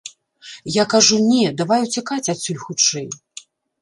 Я кажу, не, давай уцякаць адсюль хутчэй.